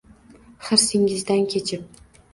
Hirsingdan kechib